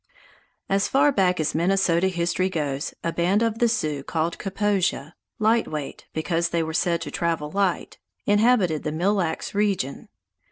As far back as Minnesota history goes, a band of the Sioux called Kaposia (Light Weight, because they were said to travel light) inhabited the Mille Lacs region.